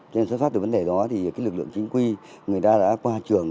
cho nên xuất phát được vấn đề đó thì cái lực lượng chính quy người ta đã qua trường